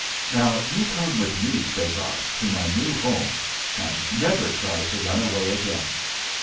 "Now, you come with me," says I, "to my new home, and never try to run away again."